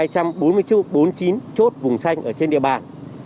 hai trăm bốn mươi chín chốt vùng xanh trên địa bàn